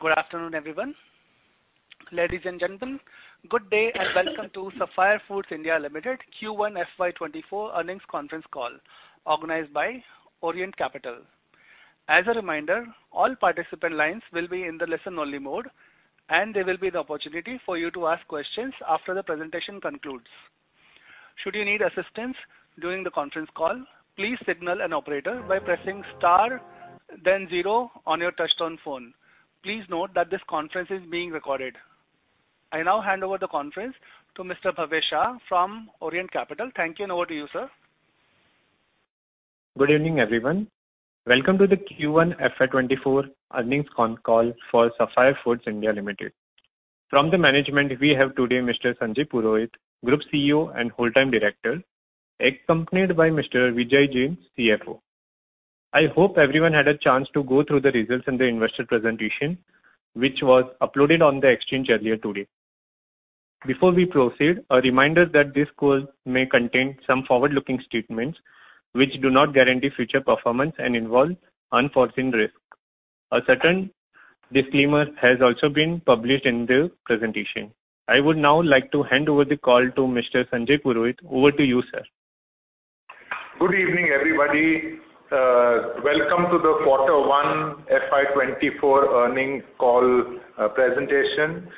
Good afternoon, everyone. Ladies and gentlemen, good day and welcome to Sapphire Foods India Limited Q1 FY24 Earnings Conference Call, organized by Orient Capital. As a reminder, all participant lines will be in the listen-only mode, and there will be the opportunity for you to ask questions after the presentation concludes. Should you need assistance during the conference call, please signal an operator by pressing star, then zero on your touchtone phone. Please note that this conference is being recorded. I now hand over the conference to Mr. Bhavya Shah from Orient Capital. Thank you, and over to you, sir. Good evening, everyone. Welcome to the Q1 FY24 earnings con call for Sapphire Foods India Limited. From the management, we have today Mr. Sanjay Purohit, Group CEO and Whole-Time Director, accompanied by Mr. Vijay Jain, CFO. I hope everyone had a chance to go through the results in the investor presentation, which was uploaded on the exchange earlier today. Before we proceed, a reminder that this call may contain some forward-looking statements, which do not guarantee future performance and involve unforeseen risk. A certain disclaimer has also been published in the presentation. I would now like to hand over the call to Mr. Sanjay Purohit. Over to you, sir. Good evening, everybody. Welcome to the Q1 FY24 earning call presentation.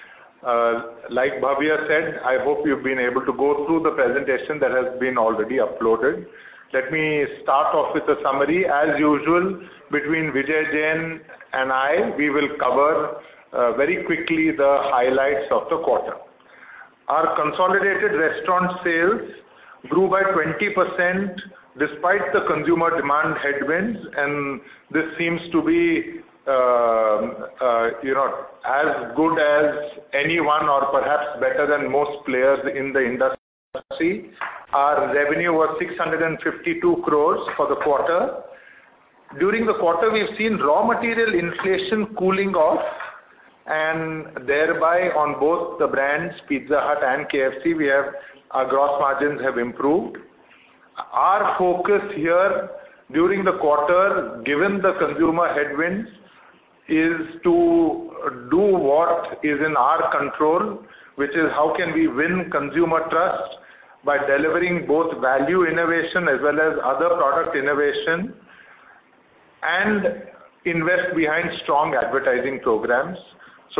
Like Bhavya said, I hope you've been able to go through the presentation that has been already uploaded. Let me start off with a summary. As usual, between Vijay Jain and I, we will cover very quickly the highlights of the quarter. Our consolidated restaurant sales grew by 20% despite the consumer demand headwinds. This seems to be, you know, as good as anyone or perhaps better than most players in the industry. Our revenue was 652 crore for the quarter. During the quarter, we've seen raw material inflation cooling off, and thereby on both the brands, Pizza Hut and KFC, we have-- our gross margins have improved. Our focus here during the quarter, given the consumer headwinds, is to do what is in our control, which is how can we win consumer trust by delivering both value innovation as well as other product innovation and invest behind strong advertising programs.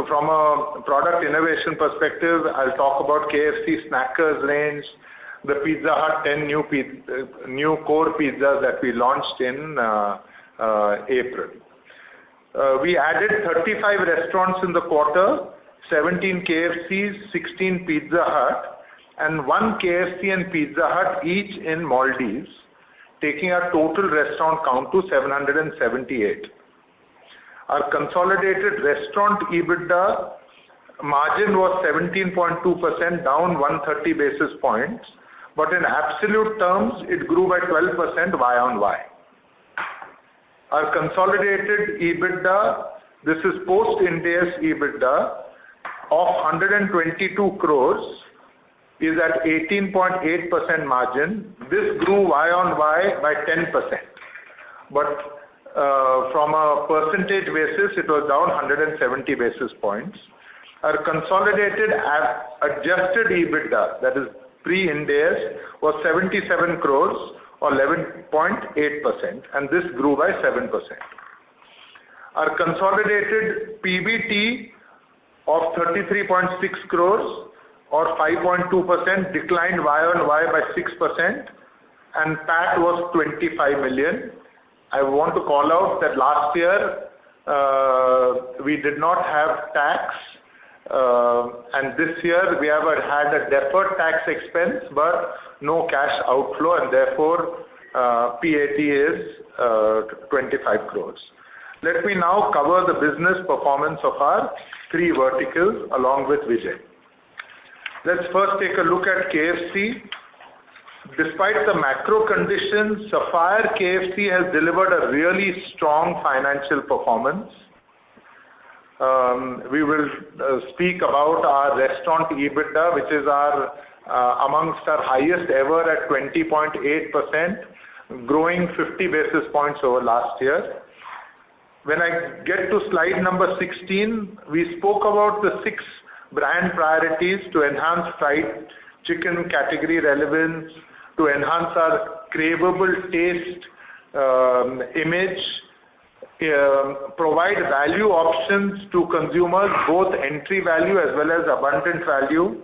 From a product innovation perspective, I'll talk about KFC Snacker range, the Pizza Hut, and new core pizza that we launched in April. We added 35 restaurants in the quarter, 17 KFCs, 16 Pizza Hut, and 1 KFC and Pizza Hut, each in Maldives, taking our total restaurant count to 778. Our consolidated restaurant EBITDA margin was 17.2%, down 130 basis points, but in absolute terms, it grew by 12% Y on Y. Our consolidated EBITDA, this is post-Ind AS EBITDA of 122 crore, is at 18.8% margin. This grew Y on Y by 10%. From a percentage basis, it was down 170 basis points. Our consolidated Adjusted EBITDA, that is pre-Ind AS, was 77 crore, or 11.8%, and this grew by 7%. Our consolidated PBT of 33.6 crore or 5.2% declined Y on Y by 6%, and PAT was 25 million. I want to call out that last year, we did not have tax, and this year, we have had a deferred tax expense, but no cash outflow, and therefore, PAT is 25 crore. Let me now cover the business performance of our three verticals, along with Vijay. Let's first take a look at KFC. Despite the macro conditions, Sapphire KFC has delivered a really strong financial performance. We will speak about our restaurant EBITDA, which is our, amongst our highest ever at 20.8%, growing 50 basis points over last year. When I get to slide number 16, we spoke about the six brand priorities to enhance fried chicken category relevance, to enhance our cravable taste, image, provide value options to consumers, both entry value as well as abundant value,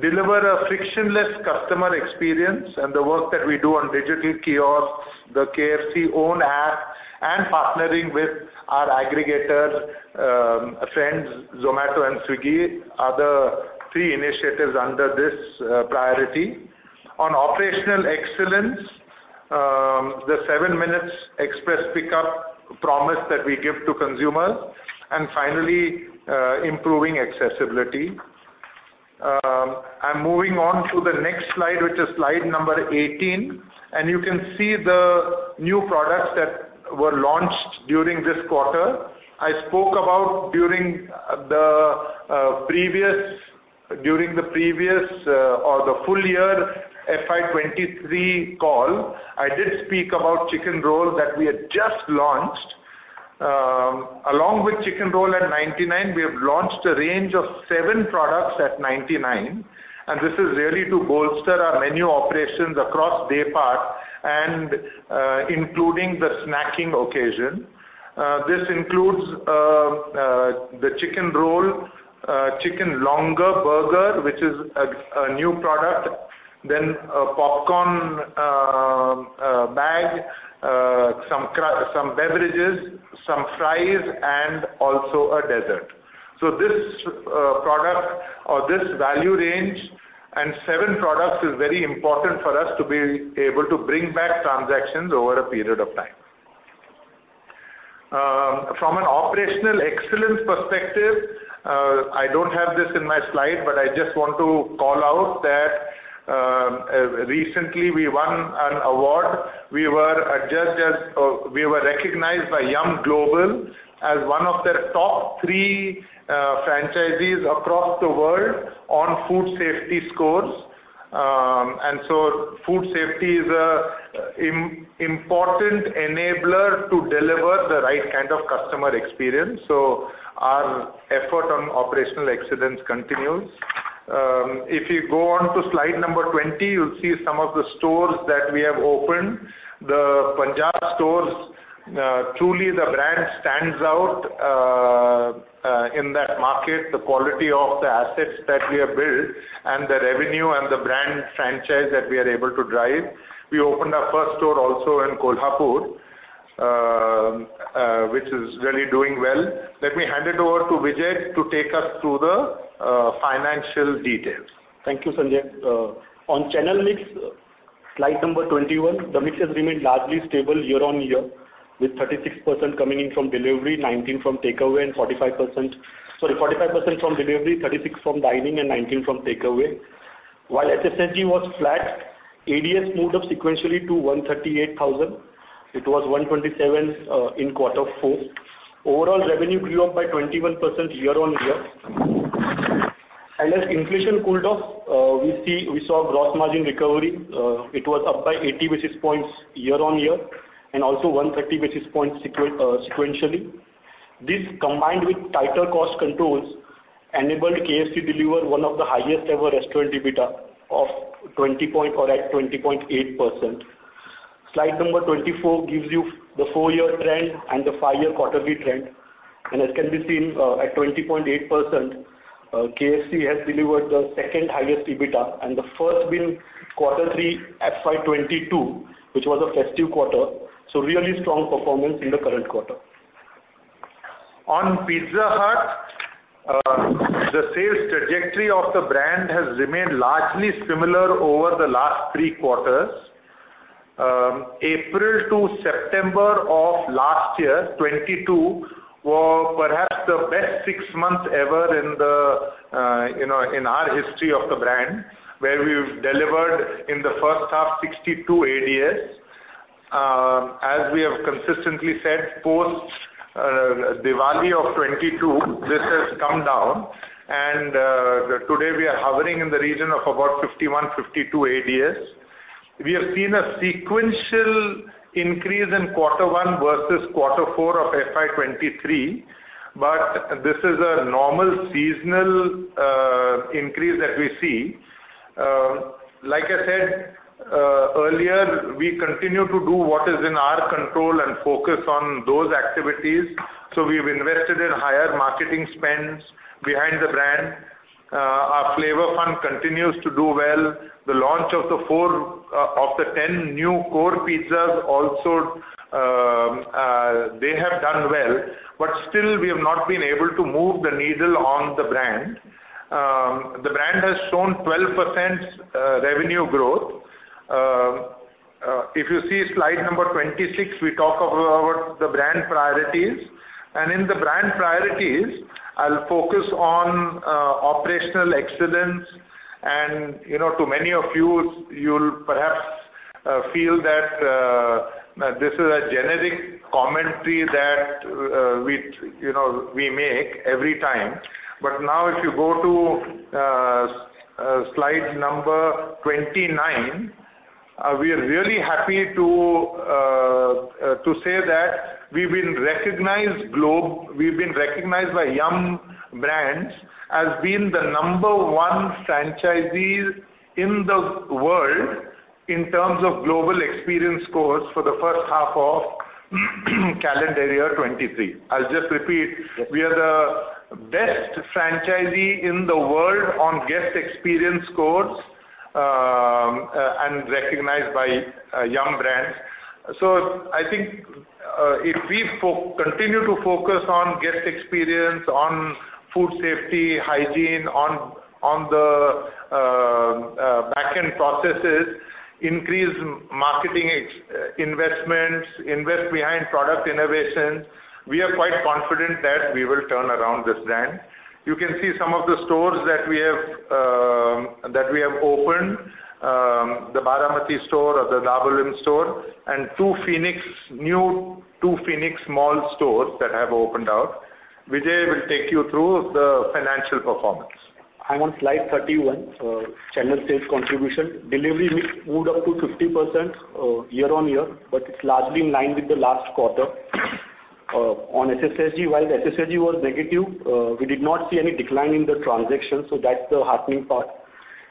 deliver a frictionless customer experience, and the work that we do on digital kiosks, the KFC own app, and partnering with our aggregator, friends, Zomato and Swiggy, are the three initiatives under this priority. On operational excellence, the 7 minutes express pickup promise that we give to consumers, and finally, improving accessibility. I'm moving on to the next slide, which is slide number 18, and you can see the new products that were launched during this quarter. I spoke about during the previous... During the previous, or the full year FY23 call, I did speak about Chicken Roll that we had just launched. Along with Chicken Roll at 99, we have launched a range of seven products at 99, and this is really to bolster our menu operations across day part and, including the snacking occasion. This includes the Chicken Roll, Chicken Longer Burger, which is a new product, then a popcorn bag, some beverages, some fries, and also a dessert. This product or this value range, and seven products is very important for us to be able to bring back transactions over a period of time. From an operational excellence perspective, I don't have this in my slide, but I just want to call out that recently we won an award. We were adjudged as, or we were recognized by Yum Global as one of their top three franchisees across the world on food safety scores. Food safety is a important enabler to deliver the right kind of customer experience, so our effort on operational excellence continues. If you go on to slide number 20, you'll see some of the stores that we have opened. The Punjab stores, truly, the brand stands out in that market, the quality of the assets that we have built and the revenue and the brand franchise that we are able to drive. We opened our first store also in Kolhapur, which is really doing well. Let me hand it over to Vijay to take us through the financial details. Thank you, Sanjay. On channel mix, slide number 21, the mix has remained largely stable year-on-year, with 36% coming in from delivery, 19 from takeaway, and 45%-- sorry, 45% from delivery, 36 from dining, and 19 from takeaway. While SSG was flat, ADS moved up sequentially to 138,000. It was 127, in Q4. Overall revenue grew up by 21% year-on-year. As inflation cooled off, we see, we saw gross margin recovery. It was up by 80 basis points year-on-year, and also 130 basis points sequentially. This, combined with tighter cost controls, enabled KFC deliver one of the highest ever restaurant EBITDA of 20 point or at 20.8%. Slide number 24 gives you the 4-year trend and the 5-year quarterly trend. As can be seen, at 20.8%, KFC has delivered the second highest EBITDA, and the first being Q3 FY22, which was a festive quarter. Really strong performance in the current quarter. On Pizza Hut, the sales trajectory of the brand has remained largely similar over the last three quarters. April to September of last year, 2022, were perhaps the best six months ever in the, you know, in our history of the brand, where we've delivered in the first half, 62 ADS. As we have consistently said, post Diwali of 2022, this has come down, and today we are hovering in the region of about 51, 52 ADS. We have seen a sequential increase in Quarter One versus Quarter Four of FY23, but this is a normal seasonal increase that we see. Like I said earlier, we continue to do what is in our control and focus on those activities. We've invested in higher marketing spends behind the brand. Our Flavor Fun continues to do well. The launch of the 4 of the 10 new core pizzas also, they have done well, but still we have not been able to move the needle on the brand. The brand has shown 12% revenue growth. If you see slide number 26, we talk about the brand priorities. In the brand priorities, I'll focus on operational excellence, and, you know, to many of you, you'll perhaps feel that this is a generic commentary that we you know, we make every time. Now, if you go to slide number 29, we are really happy to say that we've been recognized by Yum! Brands as being the number one franchisee in the world in terms of global experience scores for the first half of calendar year 2023. I'll just repeat: We are the best franchisee in the world on guest experience scores and recognized by Yum! Brands. I think, if we continue to focus on guest experience, on food safety, hygiene, on, on the back-end processes, increase marketing investments, invest behind product innovations, we are quite confident that we will turn around this brand. You can see some of the stores that we have... that we have opened, the Baramati store or the Dabolim store, two Phoenix, new two Phoenix mall stores that have opened out. Vijay will take you through the financial performance. I'm on slide 31. Channel sales contribution. Delivery mix moved up to 50% year-on-year, but it's largely in line with the last quarter. On SSG, while the SSG was negative, we did not see any decline in the transactions, so that's the heartening part.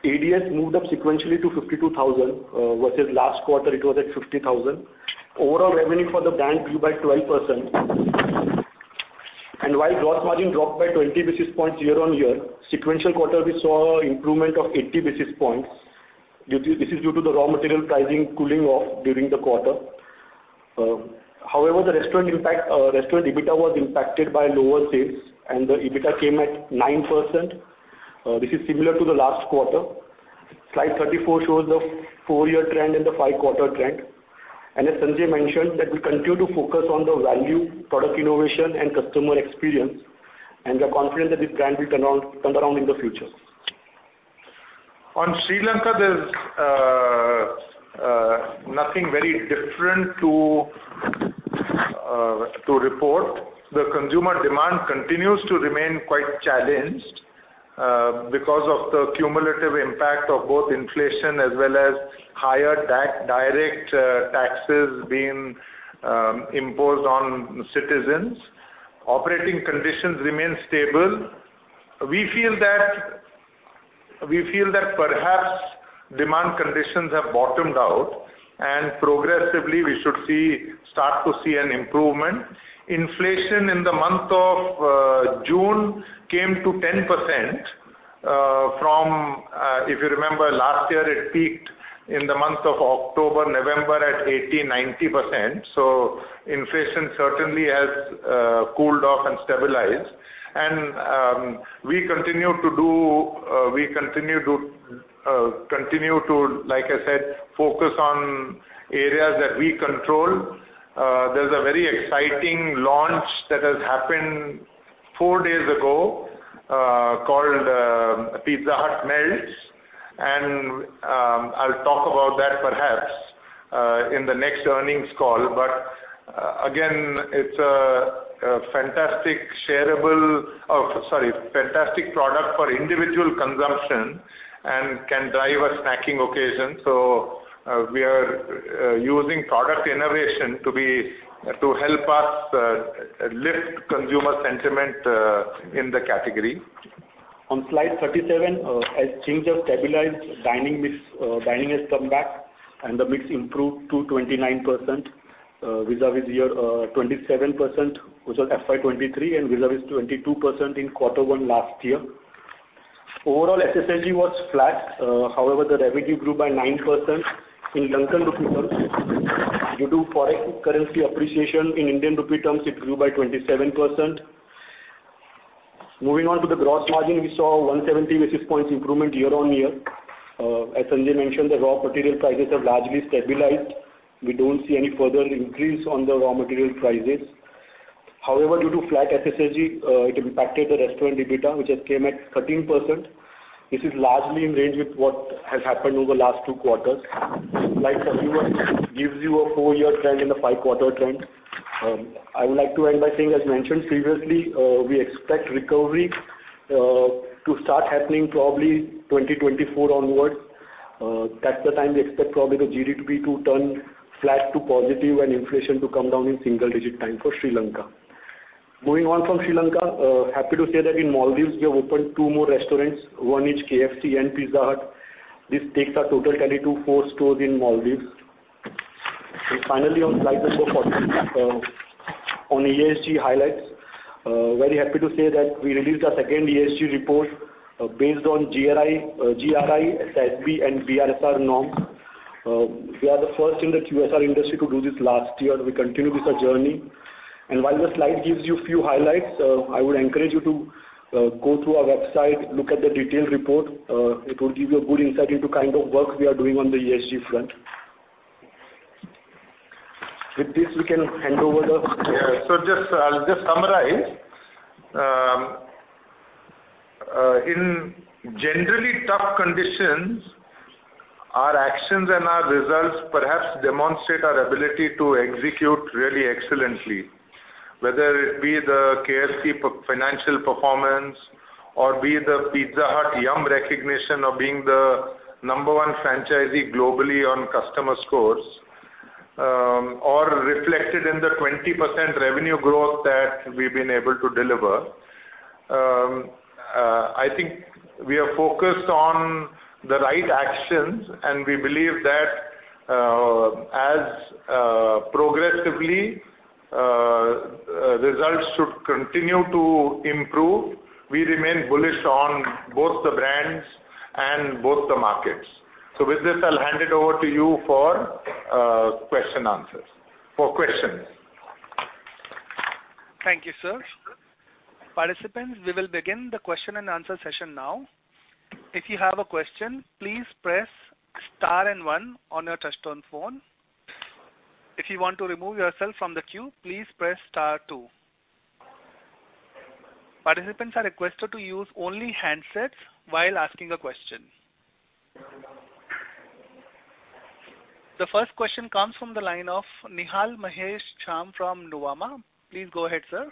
ADS moved up sequentially to 52,000 versus last quarter, it was at 50,000. Overall revenue for the bank grew by 12%. While gross margin dropped by 20 basis points year-on-year, sequential quarter, we saw improvement of 80 basis points. This is due to the raw material pricing cooling off during the quarter. However, the restaurant impact, restaurant EBITDA was impacted by lower sales, and the EBITDA came at 9%. This is similar to the last quarter. Slide 34 shows the 4-year trend and the 5-quarter trend. As Sanjay mentioned, that we continue to focus on the value, product innovation, and customer experience, and we are confident that this trend will turn around, turn around in the future. On Sri Lanka, there's nothing very different to report. The consumer demand continues to remain quite challenged because of the cumulative impact of both inflation as well as higher tax, direct taxes being imposed on citizens. Operating conditions remain stable. We feel that perhaps demand conditions have bottomed out and progressively, we should start to see an improvement. Inflation in the month of June came to 10% from, if you remember, last year, it peaked in the month of October, November, at 80%-90%. Inflation certainly has cooled off and stabilized. We continue to, like I said, focus on areas that we control. There's a very exciting launch that has happened four days ago, called Pizza Hut Melts. I'll talk about that perhaps in the next earnings call. Again, it's a fantastic product for individual consumption and can drive a snacking occasion. We are using product innovation to be, to help us lift consumer sentiment in the category. On slide 37, as things have stabilized, dining mix, dining has come back and the mix improved to 29%, vis-à-vis year, 27%, which was FY23, and vis-à-vis 22% in Q1 last year. Overall, SSG was flat, however, the revenue grew by 9%. In Sri Lankan rupee terms, due to Forex currency appreciation, in Indian rupee terms, it grew by 27%. Moving on to the gross margin, we saw 170 basis points improvement year-on-year. As Sanjay mentioned, the raw material prices have largely stabilized. We don't see any further increase on the raw material prices. However, due to flat SSG, it impacted the restaurant EBITDA, which has came at 13%. This is largely in range with what has happened over the last 2 quarters. Slide 31 gives you a 4-year trend and a 5-quarter trend. I would like to end by saying, as mentioned previously, we expect recovery to start happening probably 2024 onwards. That's the time we expect probably the GDP to turn flat to positive and inflation to come down in single-digit time for Sri Lanka. Moving on from Sri Lanka, happy to say that in Maldives, we have opened 2 more restaurants, one each KFC and Pizza Hut. This takes our total tally to 4 stores in Maldives. Finally, on slide number 14, on ESG highlights, very happy to say that we released our second ESG report based on GRI, GRI, SASB, and BRSR norm. We are the first in the QSR industry to do this last year, and we continue with our journey. While the slide gives you a few highlights, I would encourage you to, go through our website, look at the detailed report. It will give you a good insight into kind of work we are doing on the ESG front. With this, we can hand over the- Yeah. Just, I'll just summarize. In generally tough conditions, our actions and our results perhaps demonstrate our ability to execute really excellently. Whether it be the KFC financial performance or be the Pizza Hut Yum recognition of being the number one franchisee globally on customer scores, or reflected in the 20% revenue growth that we've been able to deliver. I think we are focused on the right actions, and we believe that, as progressively, results should continue to improve, we remain bullish on both the brands and both the markets. With this, I'll hand it over to you for question answers. For questions. Thank you, sir. Participants, we will begin the question and answer session now. If you have a question, please press star and 1 on your touchtone phone. If you want to remove yourself from the queue, please press star 2. Participants are requested to use only handsets while asking a question. The first question comes from the line of Nihal Jham from Nuvama. Please go ahead, sir.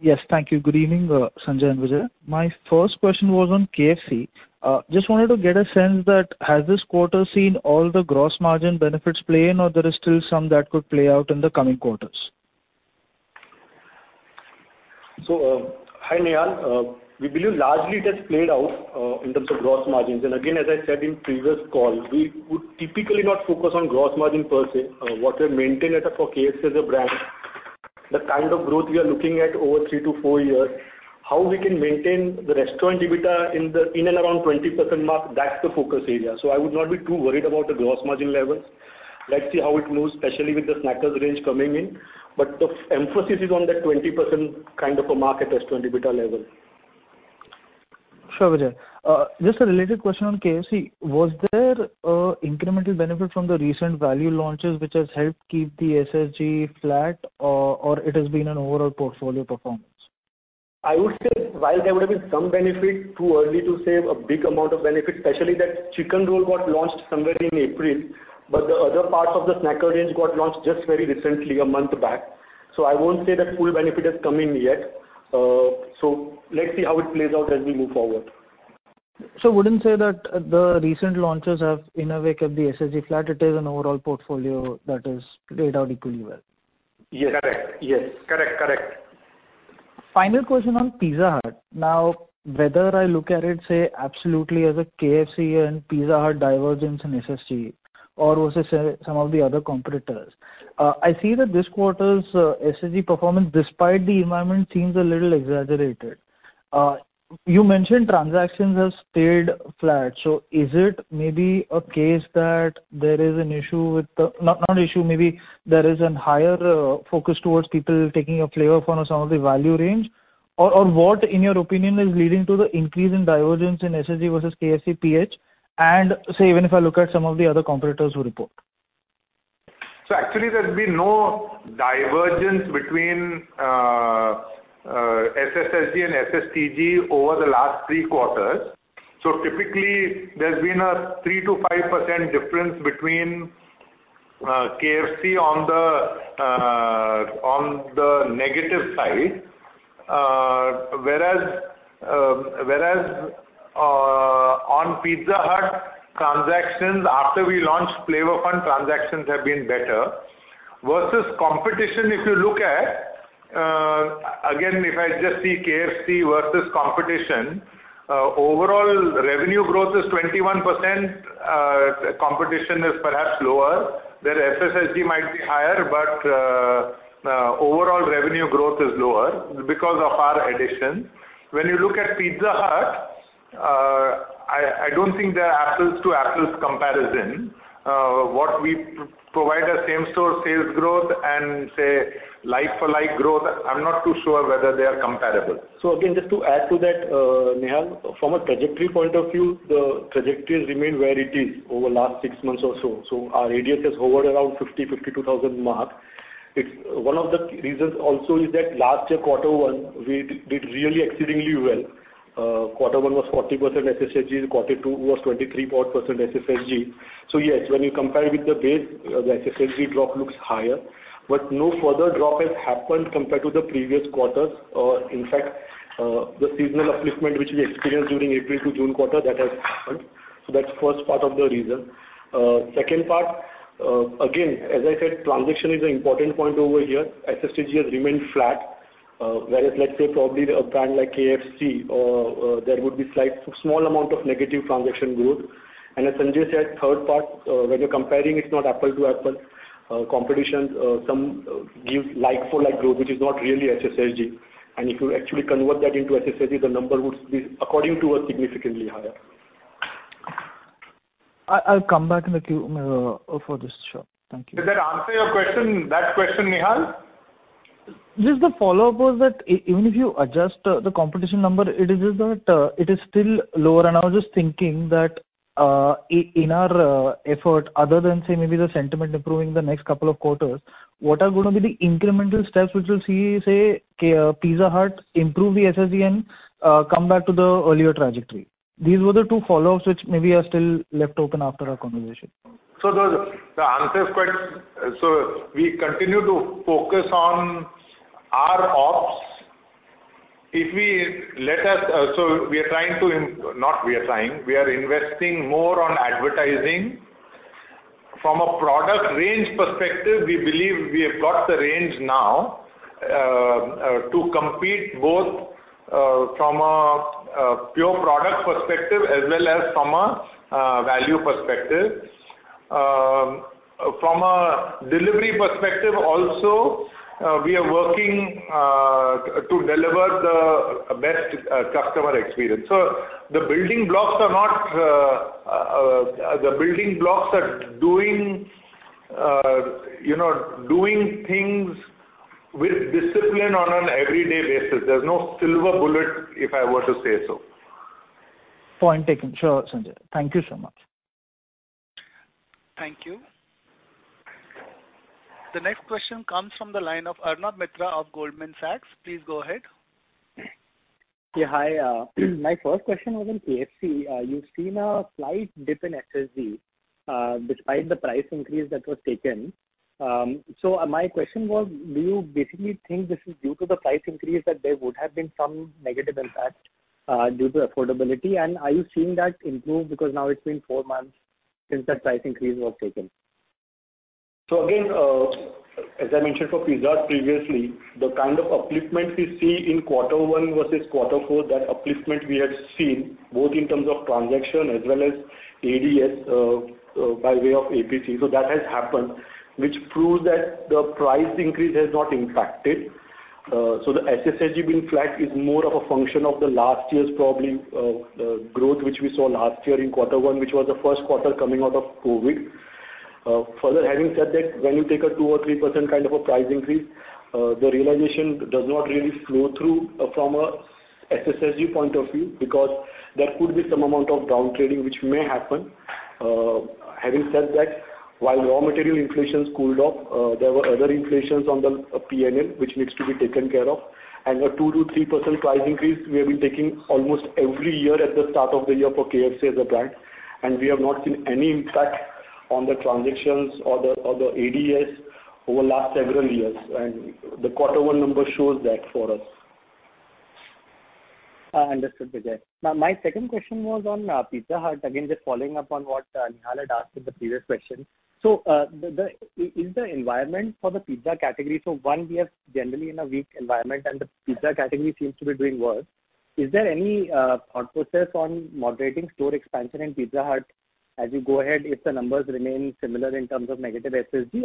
Yes, thank you. Good evening, Sanjay and Vijay. My first question was on KFC. Just wanted to get a sense that has this quarter seen all the gross margin benefits play in, or there is still some that could play out in the coming quarters? Hi, Nihal. We believe largely it has played out in terms of gross margins. Again, as I said in previous calls, we would typically not focus on gross margin per se. What we maintain at a for KFC as a brand, the kind of growth we are looking at over 3-4 years, how we can maintain the restaurant EBITDA in and around 20% mark, that's the focus area. I would not be too worried about the gross margin levels. Let's see how it moves, especially with the Snackers range coming in. The emphasis is on that 20% kind of a mark at restaurant EBITDA level. Sure, Vijay. Just a related question on KFC. Was there an incremental benefit from the recent value launches, which has helped keep the SSG flat or it has been an overall portfolio performance? I would say while there would have been some benefit, too early to say a big amount of benefit, especially that chicken roll got launched somewhere in April, but the other parts of the snacker range got launched just very recently, a month back. I won't say that full benefit has come in yet. Let's see how it plays out as we move forward. Wouldn't say that the recent launches have, in a way, kept the SSG flat. It is an overall portfolio that is laid out equally well. Yes, correct. Yes. Correct, correct. Final question on Pizza Hut. Whether I look at it, say, absolutely as a KFC and Pizza Hut divergence in SSG or versus some of the other competitors. I see that this quarter's SSG performance, despite the environment, seems a little exaggerated. You mentioned transactions have stayed flat, so is it maybe a case that there is an issue with the... Not, not issue, maybe there is an higher focus towards people taking a Flavor Fun of some of the value range? Or, or what, in your opinion, is leading to the increase in divergence in SSG versus KFC PH, and say, even if I look at some of the other competitors who report? Actually, there's been no divergence between SSSG and SSTG over the last 3 quarters. Typically, there's been a 3%-5% difference between KFC on the negative side, whereas, on Pizza Hut transactions, after we launched Flavor Fun, transactions have been better versus competition, if you look at again, if I just see KFC versus competition, overall revenue growth is 21%. Competition is perhaps lower, where SSSG might be higher, but overall revenue growth is lower because of our addition. When you look at Pizza Hut, I don't think they are apples to apples comparison. What we provide as same store sales growth and say, like for like growth, I'm not too sure whether they are comparable. Again, just to add to that, Nihal, from a trajectory point of view, the trajectory has remained where it is over the last 6 months or so. Our ADS has hovered around 50,000-52,000 mark. One of the reasons also is that last year, quarter one, we did really exceedingly well. Quarter one was 40% SSG, quarter two was 23% odd SSG. Yes, when you compare with the base, the SSG drop looks higher, but no further drop has happened compared to the previous quarters, or in fact, the seasonal upliftment, which we experienced during April to June quarter, that has happened. Second part, again, as I said, transaction is an important point over here. SSG has remained flat, whereas, let's say, probably a brand like KFC, or, there would be slight, small amount of negative transaction growth. As Sanjay said, third part, when you're comparing, it's not apple to apple, competition, some give like for like growth, which is not really SSG. If you actually convert that into SSG, the number would be, according to us, significantly higher. I, I'll come back in the queue for this sure. Thank you. Does that answer your question, that question, Nihal? Just the follow-up was that even if you adjust the competition number, it is just that, it is still lower. I was just thinking that, in our effort, other than, say, maybe the sentiment improving the next couple of quarters, what are going to be the incremental steps which will see, say, Pizza Hut improve the SSG and come back to the earlier trajectory? These were the two follow-ups, which maybe are still left open after our conversation. The, the answer is quite. We continue to focus on our ops. If we, let us, not we are trying, we are investing more on advertising. From a product range perspective, we believe we have got the range now to compete both from a pure product perspective as well as from a value perspective. From a delivery perspective, also, we are working to deliver the best customer experience. The building blocks are not. The building blocks are doing, you know, doing things with discipline on an everyday basis. There's no silver bullet, if I were to say so. Point taken. Sure, Sanjay. Thank you so much. Thank you. The next question comes from the line of Arnab Mitra of Goldman Sachs. Please go ahead. Yeah, hi. My first question was on KFC. you've seen a slight dip in SSG despite the price increase that was taken. My question was, do you basically think this is due to the price increase, that there would have been some negative impact due to affordability? Are you seeing that improve because now it's been 4 months since that price increase was taken? Again, as I mentioned for Pizza Hut previously, the kind of upliftment we see in quarter one versus quarter four, that upliftment we had seen both in terms of transaction as well as ADS by way of APC. That has happened, which proves that the price increase has not impacted. The SSG being flat is more of a function of the last year's, probably, growth, which we saw last year in quarter one, which was the first quarter coming out of COVID. Having said that, when you take a 2 or 3% kind of a price increase, the realization does not really flow through from a SSG point of view, because there could be some amount of down trading which may happen. Having said that, while raw material inflation cooled off, there were other inflations on the P&L, which needs to be taken care of. A 2%-3% price increase, we have been taking almost every year at the start of the year for KFC as a brand, and we have not seen any impact on the transactions or the, or the ADS over the last several years, and the quarter one number shows that for us. Understood, Vijay. My second question was on Pizza Hut. Again, just following up on what Nihal had asked in the previous question. Is the environment for the pizza category, so one, we are generally in a weak environment, and the pizza category seems to be doing worse? Is there any thought process on moderating store expansion in Pizza Hut as you go ahead, if the numbers remain similar in terms of negative SSG?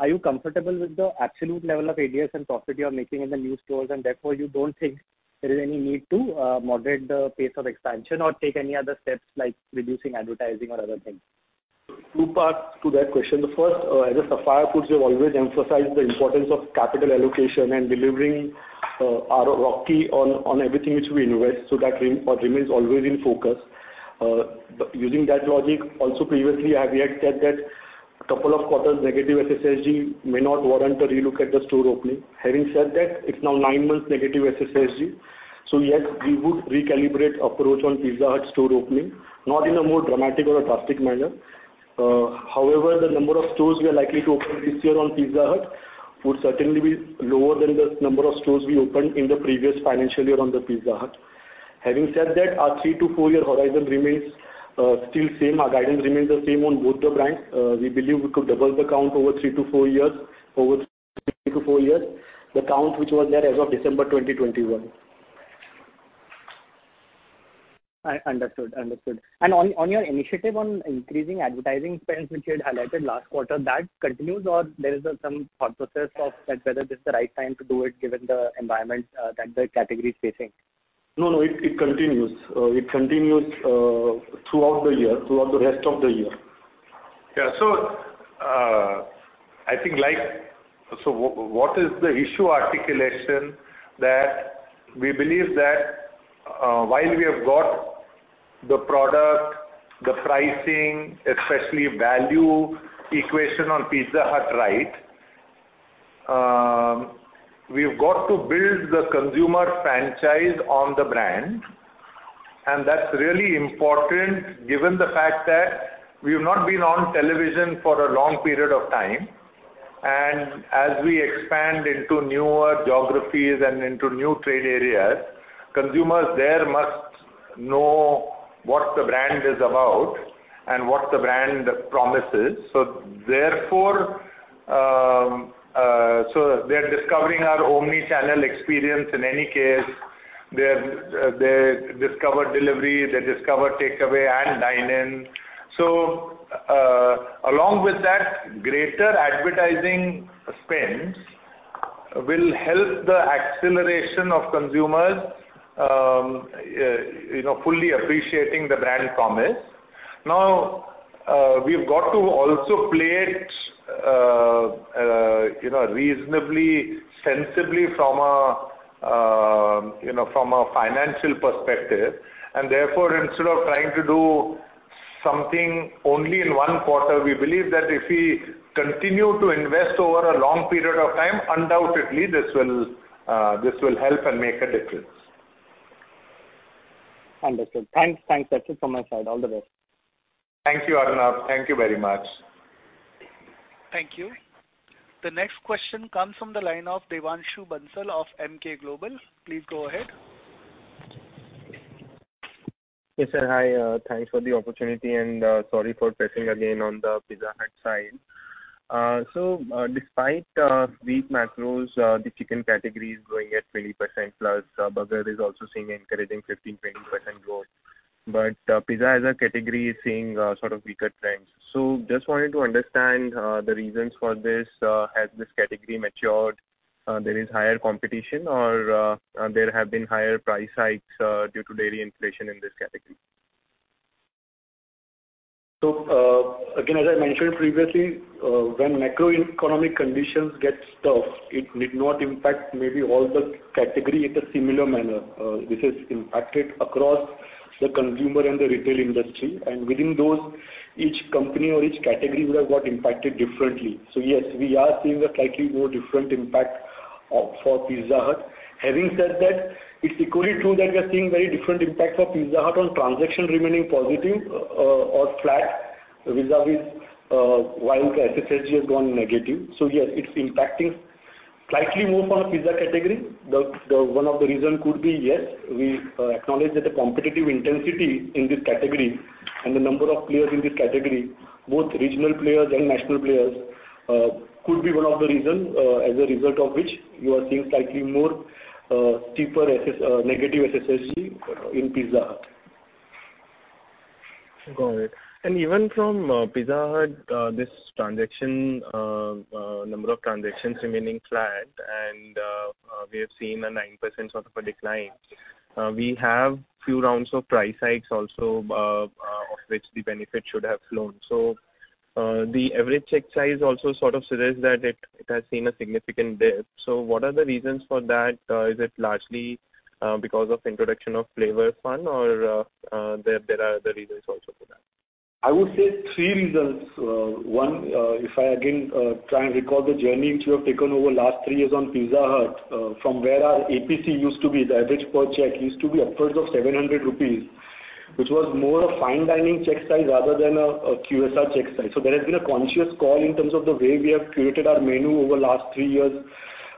Are you comfortable with the absolute level of ADS and profit you are making in the new stores, and therefore you don't think there is any need to moderate the pace of expansion or take any other steps, like reducing advertising or other things? Second parts to that question. The first, as a Sapphire Foods, we've always emphasized the importance of capital allocation and delivering, our ROCE on, on everything which we invest, so that re- remains always in focus. Having said that, it's now 9 months negative SSG. Yes, we would recalibrate approach on Pizza Hut store opening, not in a more dramatic or a drastic manner. The number of stores we are likely to open this year on Pizza Hut would certainly be lower than the number of stores we opened in the previous financial year on the Pizza Hut. Having said that, our 3-4-year horizon remains still same. Our guidance remains the same on both the brands. We believe we could double the count over 3-4 years, over 3-4 years, the count which was there as of December 2021. I understood, understood. On, on your initiative on increasing advertising spends, which you had highlighted last quarter, that continues or there is some thought process of that, whether this is the right time to do it, given the environment that the category is facing? No, no, it, it continues. It continues throughout the year, throughout the rest of the year. Yeah, what is the issue articulation that we believe that, while we have got the product, the pricing, especially value equation on Pizza Hut right, we've got to build the consumer franchise on the brand, and that's really important given the fact that we've not been on television for a long period of time. As we expand into newer geographies and into new trade areas, consumers there must know what the brand is about and what the brand promises. Therefore, they're discovering our omni-channel experience in any case. They're, they discover delivery, they discover takeaway and dine-in. Along with that, greater advertising spends will help the acceleration of consumers, you know, fully appreciating the brand promise. Now, we've got to also play it, you know, reasonably, sensibly from a, you know, from a financial perspective. Therefore, instead of trying to do something only in one quarter, we believe that if we continue to invest over a long period of time, undoubtedly this will, this will help and make a difference. Understood. Thanks. Thanks. That's it from my side. All the best. Thank you, Arnab. Thank you very much. Thank you. The next question comes from the line of Devanshu Bansal of Emkay Global. Please go ahead. Yes, sir. Hi, thanks for the opportunity, and sorry for pressing again on the Pizza Hut side. Despite weak macros, the chicken category is growing at 20%+. Burger is also seeing encouraging 15%-20% growth. Pizza as a category is seeing sort of weaker trends. Just wanted to understand the reasons for this. Has this category matured, there is higher competition, or there have been higher price hikes due to dairy inflation in this category? Again, as I mentioned previously, when macroeconomic conditions get tough, it did not impact maybe all the category in a similar manner. This has impacted across the consumer and the retail industry, and within those, each company or each category will got impacted differently. Yes, we are seeing a slightly more different impact of, for Pizza Hut. Having said that, it's equally true that we are seeing very different impact for Pizza Hut on transaction remaining positive, or flat vis-à-vis, while SSG has gone negative. Yes, it's impacting slightly more from a pizza category. The one of the reason could be, yes, we acknowledge that the competitive intensity in this category and the number of players in this category, both regional players and national players, could be one of the reason, as a result of which you are seeing slightly more, steeper SS, negative SSG in Pizza Hut. Got it. Even from Pizza Hut, this transaction, number of transactions remaining flat, and we have seen a 9% sort of a decline. We have few rounds of price hikes also, of which the benefit should have flown. The average check size also sort of suggests that it, it has seen a significant dip. What are the reasons for that? Is it largely because of introduction of Flavor Fun or there, there are other reasons also for that? I would say three reasons. One, if I again, try and recall the journey which we have taken over last three years on Pizza Hut, from where our APC used to be, the average per check used to be upwards of 700 rupees, which was more a fine dining check size rather than a QSR check size. There has been a conscious call in terms of the way we have curated our menu over the last three years,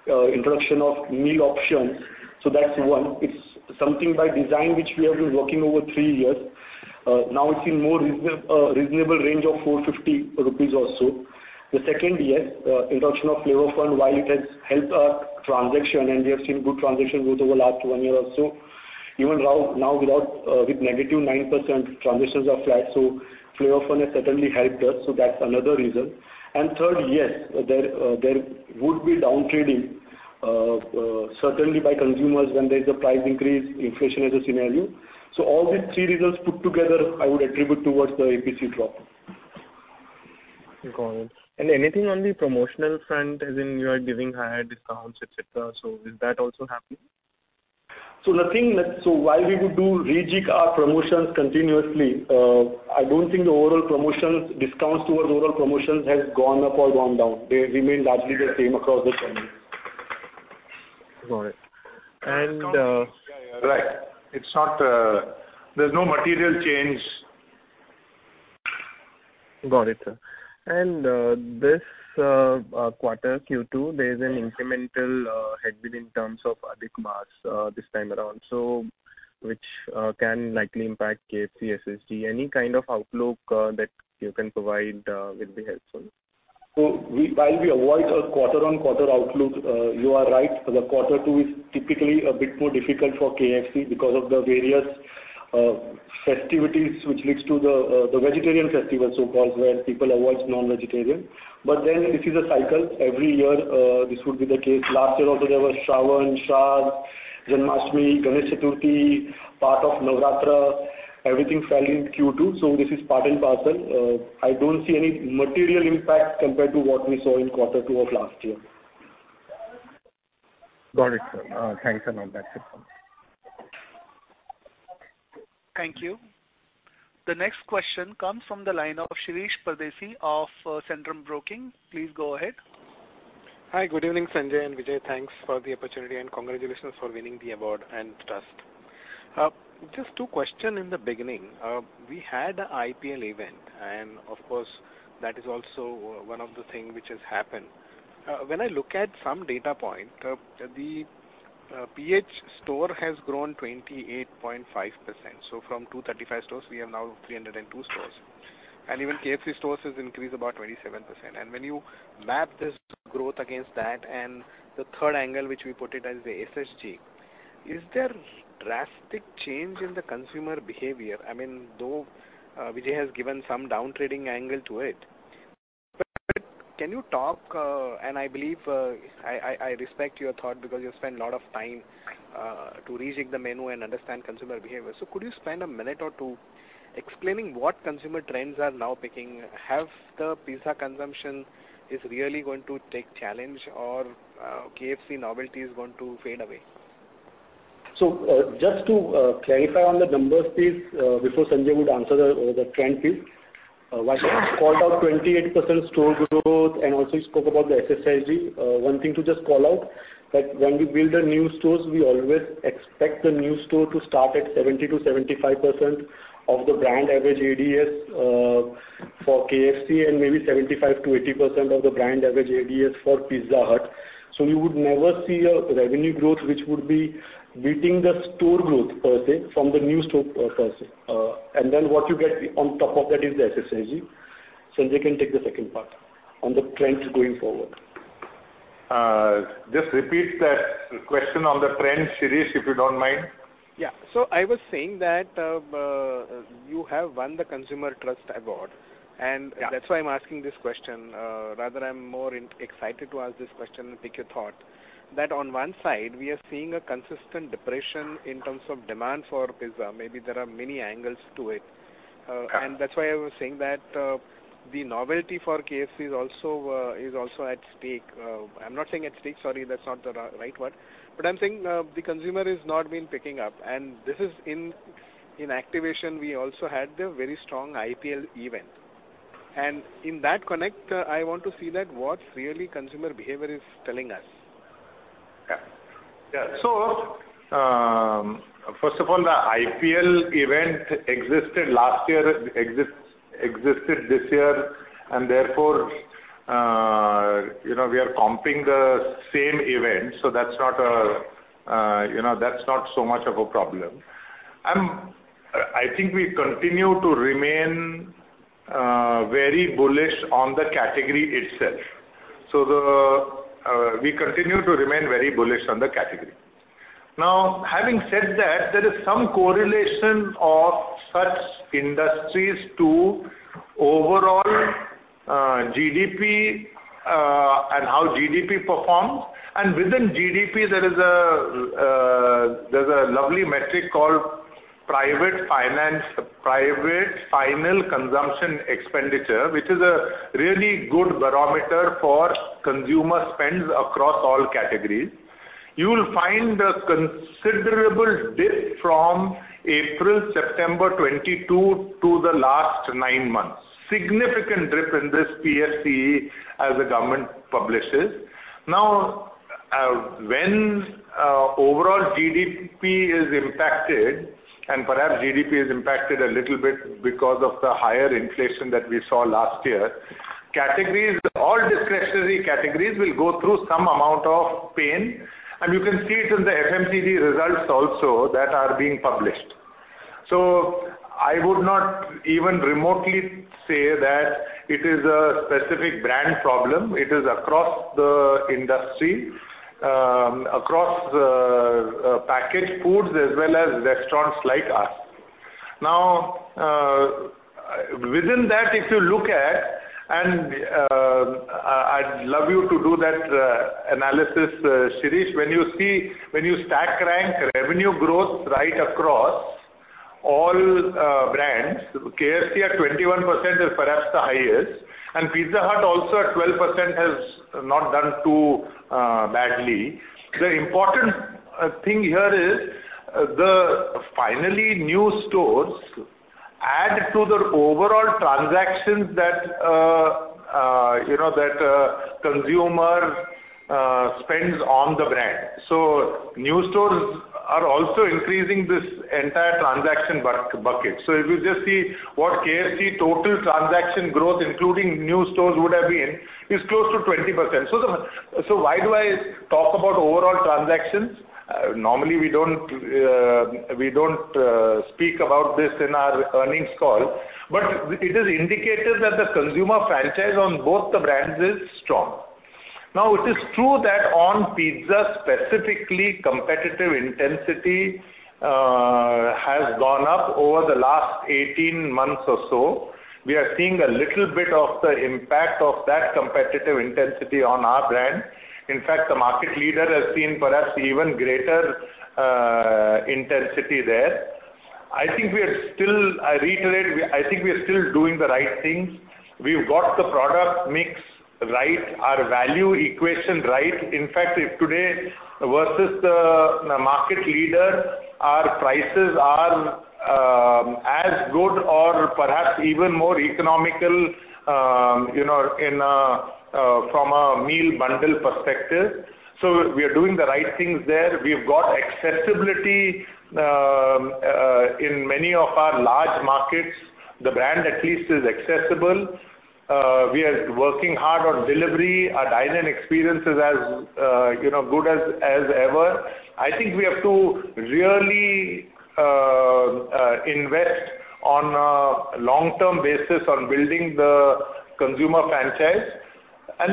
introduction of meal options. That's one. It's something by design, which we have been working over three years. Now it's in more reasonable range of 450 rupees or so. The second, yes, introduction of Flavor Fun, while it has helped our transaction, and we have seen good transaction growth over the last one year or so, even now, now without, with -9%, transactions are flat. Flavor Fun has certainly helped us, so that's another reason. Third, yes, there, there would be downtrading, certainly by consumers when there is a price increase, inflation as a scenario. All these three reasons put together, I would attribute towards the APC drop. Got it. Anything on the promotional front, as in you are giving higher discounts, et cetera? Is that also happening? Nothing that... while we would do rejig our promotions continuously, I don't think the overall promotions, discounts towards overall promotions has gone up or gone down. They remain largely the same across the channel. Got it. Right. It's not, there's no material change. Got it, sir. This quarter, Q2, there's an incremental headwind in terms of Adhik Maas this time around, so which can likely impact KFC, SSG. Any kind of outlook that you can provide will be helpful. We, while we avoid a quarter on quarter outlook, you are right, the quarter 2 is typically a bit more difficult for KFC because of the various festivities, which leads to the vegetarian festival, so-called, where people avoid non-vegetarian. This is a cycle. Every year, this would be the case. Last year, also there was Shravan, Shradh, Janmashtami, Ganesh Chaturthi, part of Navaratri, everything fell in Q2, this is part and parcel. I don't see any material impact compared to what we saw in quarter 2 of last year. Got it, sir. Thanks a lot. That's it. Thank you. The next question comes from the line of Shirish Pardeshi of Centrum Broking. Please go ahead. Hi, good evening, Sanjay and Vijay. Thanks for the opportunity, and congratulations for winning the award and trust. Just 2 question in the beginning. We had a IPL event, and of course, that is also one of the thing which has happened. When I look at some data point, the PH store has grown 28.5%. From 235 stores, we have now 302 stores, and even KFC stores has increased about 27%. When you map this growth against that, and the third angle, which we put it as the SSG, is there drastic change in the consumer behavior? I mean, though, Vijay has given some downtrading angle to it, but can you talk, and I believe, I, I, I respect your thought because you spend a lot of time to rejig the menu and understand consumer behavior. Could you spend a minute or two explaining what consumer trends are now picking? Have the pizza consumption is really going to take challenge or, KFC novelty is going to fade away? Just to clarify on the numbers please, before Sanjay would answer the, the trend please. While you called out 28% store growth and also you spoke about the SSG, one thing to just call out, that when we build the new stores, we always expect the new store to start at 70%-75% of the brand average ADS for KFC, and maybe 75%-80% of the brand average ADS for Pizza Hut. You would never see a revenue growth, which would be beating the store growth per se from the new store per se. And then what you get on top of that is the SSG. Sanjay can take the second part on the trends going forward. Just repeat that question on the trend, Shirish, if you don't mind? Yeah. I was saying that you have won the Consumer Trust Award- Yeah. That's why I'm asking this question. Rather, I'm more excited to ask this question and pick your thought. On one side, we are seeing a consistent depression in terms of demand for pizza. Maybe there are many angles to it. That's why I was saying that the novelty for KFC is also at stake. I'm not saying at stake, sorry, that's not the right word, but I'm saying the consumer has not been picking up, and this is in activation, we also had a very strong IPL event. In that connect, I want to see that what really consumer behavior is telling us. Yeah. First of all, the IPL event existed last year, existed this year, and therefore, you know, we are comping the same event, so that's not a, you know, that's not so much of a problem. I think we continue to remain very bullish on the category itself. We continue to remain very bullish on the category. Having said that, there is some correlation of such industries to overall GDP and how GDP performs. Within GDP, there is a, there's a lovely metric called Private Final Consumption Expenditure, which is a really good barometer for consumer spends across all categories. You will find a considerable dip from April, September 2022 to the last nine months. Significant dip in this PFCE as the government publishes. When overall GDP is impacted, and perhaps GDP is impacted a little bit because of the higher inflation that we saw last year, categories, all discretionary categories will go through some amount of pain, and you can see it in the FMCG results also that are being published. I would not even remotely say that it is a specific brand problem. It is across the industry, across the packaged foods as well as restaurants like us. Within that, if you look at, and I'd love you to do that analysis, Sirish, when you stack rank revenue growth right across all brands, KFC at 21% is perhaps the highest, and Pizza Hut also at 12% has not done too badly. The important thing here is, the finally, new stores add to the overall transactions that, you know, that consumer spends on the brand. New stores are also increasing this entire transaction buck-bucket. If you just see what KFC total transaction growth, including new stores, would have been, is close to 20%. Why do I talk about overall transactions? Normally, we don't, we don't speak about this in our earnings call, but it is indicated that the consumer franchise on both the brands is strong. Now, it is true that on pizza, specifically, competitive intensity has gone up over the last 18 months or so. We are seeing a little bit of the impact of that competitive intensity on our brand. In fact, the market leader has seen perhaps even greater intensity there. I think we are still, I reiterate, I think we are still doing the right things. We've got the product mix right, our value equation right. In fact, if today versus the market leader, our prices are as good or perhaps even more economical, you know, in from a meal bundle perspective. We are doing the right things there. We've got accessibility in many of our large markets. The brand, at least, is accessible. We are working hard on delivery. Our dine-in experience is as, you know, good as, as ever. I think we have to really invest on a long-term basis on building the consumer franchise,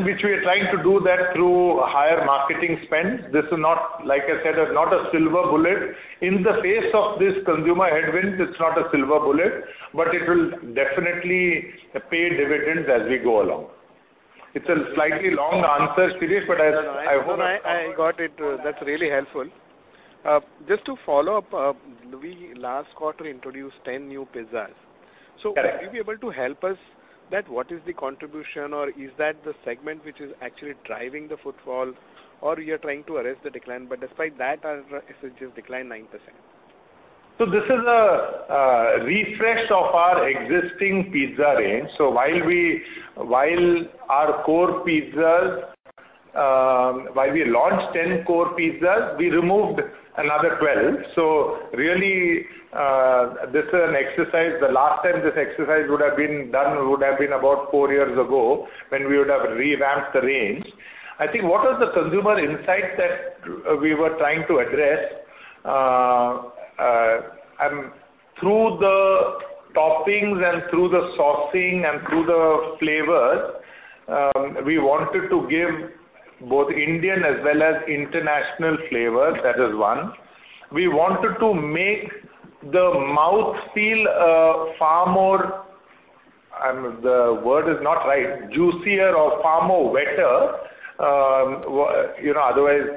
which we are trying to do that through higher marketing spend. This is not, like I said, not a silver bullet. In the face of this consumer headwind, it's not a silver bullet, but it will definitely pay dividends as we go along. It's a slightly long answer, Sirish, but I hope. I got it. That's really helpful. Just to follow up, we last quarter introduced 10 new pizzas. Correct. Will you be able to help us that what is the contribution or is that the segment which is actually driving the footfall, or you're trying to arrest the decline, but despite that, it has just declined 9%? This is a refresh of our existing pizza range. While we, while our core pizzas, while we launched 10 core pizzas, we removed another 12. Really, this is an exercise, the last time this exercise would have been done would have been about 4 years ago, when we would have revamped the range. I think what was the consumer insight that we were trying to address, and through the toppings and through the saucing and through the flavors, we wanted to give both Indian as well as international flavors. That is one. We wanted to make the mouthfeel, far more- I'm, the word is not right, juicier or far more wetter, you know, otherwise,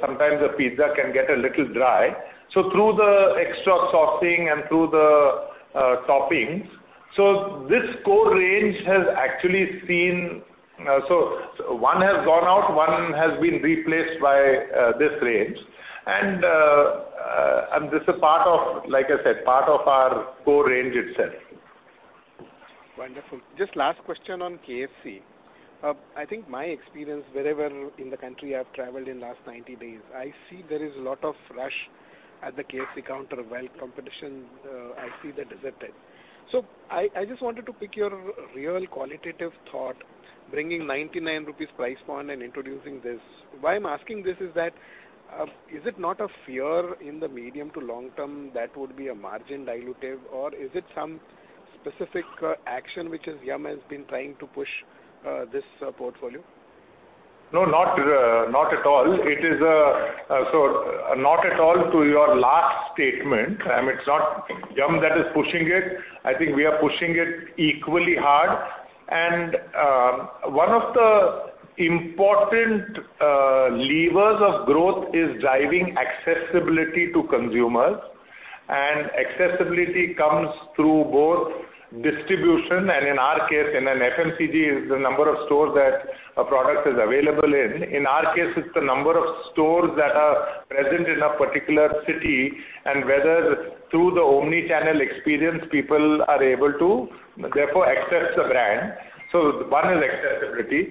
sometimes the pizza can get a little dry. Through the extra saucing and through the toppings. this core range has actually seen, so one has gone out, one has been replaced by, this range, and, and this is part of, like I said, part of our core range itself. Wonderful. Just last question on KFC. I think my experience wherever in the country I've traveled in last 90 days, I see there is a lot of rush at the KFC counter, while competition, I see that deserted. I, I just wanted to pick your real qualitative thought, bringing 99 rupees price point and introducing this. Why I'm asking this is that, is it not a fear in the medium to long term that would be a margin dilutive, or is it some specific action which is Yum! has been trying to push, this portfolio? No, not, not at all. It is, not at all to your last statement. It's not Yum! that is pushing it. I think we are pushing it equally hard. One of the important levers of growth is driving accessibility to consumers, and accessibility comes through both distribution, and in our case, in an FMCG, is the number of stores that a product is available in. In our case, it's the number of stores that are present in a particular city, and whether through the omni-channel experience, people are able to therefore access the brand. One is accessibility.